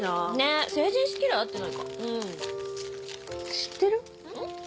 知ってる？ん？